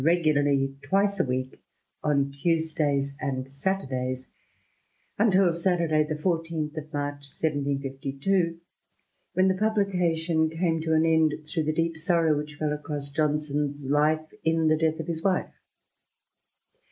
regularly twice a week, on Tuesdays and Saturdajrs, until Saturday the 14th of March 1752, when the publication came to an end through the deep sorrow which fell across Johnson's life in the death of his wife.